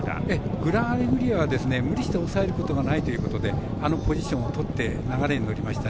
グランアレグリアは無理して抑えることはないということであの流れに乗りました。